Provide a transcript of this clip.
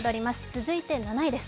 続いて７位です。